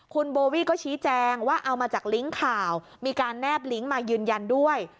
คุณโบวี่ก็ชี้แจงว่าเอามาจากลิงก์ข่าวมีการแนบลิงก์มายืนยันด้วย